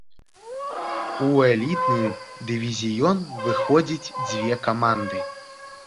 У элітны дывізіён выходзіць дзве каманды.